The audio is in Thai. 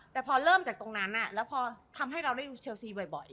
แต่พอเริ่มจากตรงนั้นแล้วพอทำให้เราได้ดูเชลซีบ่อย